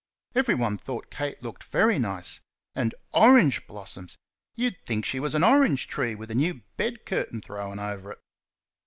Everyone thought Kate looked very nice and orange blossoms! You'd think she was an orange tree with a new bed curtain thrown over it.